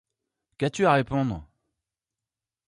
Qu’as-tu à répondre ?